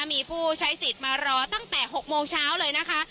มีผู้ใช้สิทธิ์มารอตั้งแต่๖โมงเช้าเลยนะคะ